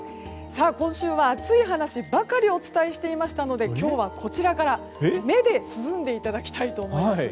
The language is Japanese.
今週は暑い話ばかりお伝えしていましたので今日はこちらから目で涼んでいただきたいと思います。